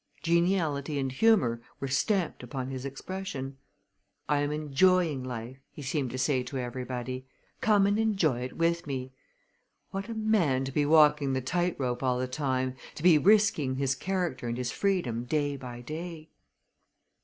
Geniality and humor were stamped upon his expression. "I am enjoying life!" he seemed to say to everybody. "Come and enjoy it with me!" What a man to be walking the tight rope all the time to be risking his character and his freedom day by day!